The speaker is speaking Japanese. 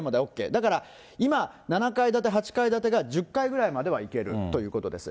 だから、今、７階建て８階建てが１０階ぐらいまではいけるということです。